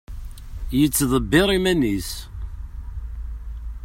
Yettdebbir iman-is.